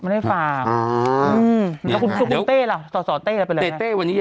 บอกว่าอย่างสีดาเนอะ